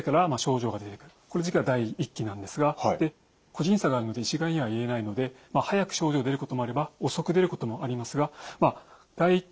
この時期は第１期なんですが個人差があるので一概には言えないので早く症状が出ることもあれば遅く出ることもありますが第１期に最初の症状が現れてきます。